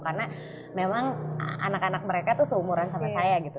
karena memang anak anak mereka tuh seumuran sama saya gitu